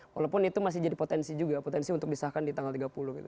walaupun itu masih jadi potensi juga potensi untuk disahkan di tanggal tiga puluh gitu